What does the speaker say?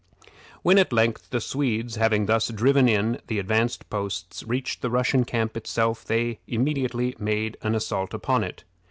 When at length the Swedes, having thus driven in the advanced posts, reached the Russian camp itself, they immediately made an assault upon it.